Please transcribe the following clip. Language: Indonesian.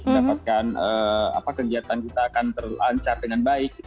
mendapatkan kegiatan kita akan terlancar dengan baik